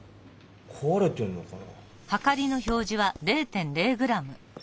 こわれてんのかな？